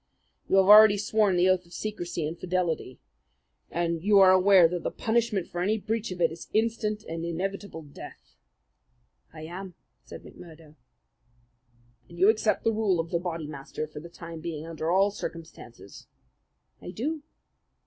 "You have already sworn the oath of secrecy and fidelity, and you are aware that the punishment for any breach of it is instant and inevitable death?" "I am," said McMurdo. "And you accept the rule of the Bodymaster for the time being under all circumstances?" "I do."